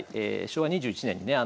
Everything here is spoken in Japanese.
昭和２１年にね